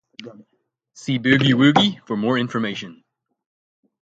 See Boogie-woogie for more information.